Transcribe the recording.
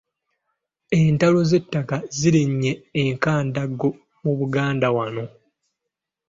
Entalo z’ettaka zirinnye enkandago mu Buganda wano.